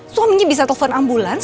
suaminya bisa telfon ambulans